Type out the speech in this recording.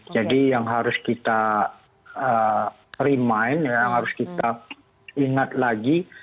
jadi yang harus kita remind yang harus kita ingat lagi